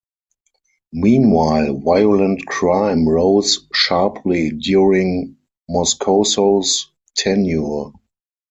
Meanwhile, violent crime rose sharply during Moscoso's tenure.